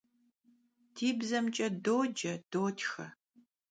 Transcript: Di bzemç'e doce, dotxe.